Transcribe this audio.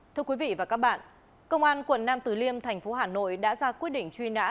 thưa quý vị và các bạn công an quận nam từ liêm thành phố hà nội đã ra quyết định truy nã